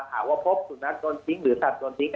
หากว่าพบสุนัขโดนทิ้งหรือสัตว์โดนทิ้ง